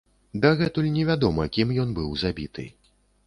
Дагэтуль невядома, кім ён быў забіты.